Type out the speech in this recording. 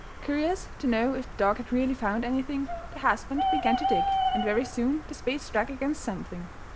Curious to know if the dog had really found anything, the husband began to dig, and very soon the spade struck against something.